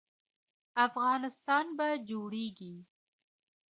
افغانستان به جوړیږي